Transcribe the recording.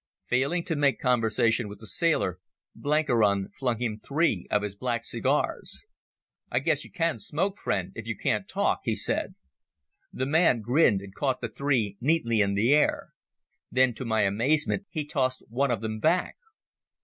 Failing to make conversation with the sailor, Blenkiron flung him three of his black cigars. "I guess you can smoke, friend, if you can't talk," he said. The man grinned and caught the three neatly in the air. Then to my amazement he tossed one of them back.